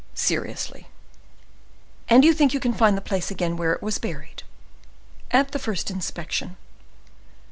"Seriously." "And you think you can find the place again where it was buried?" "At the first inspection."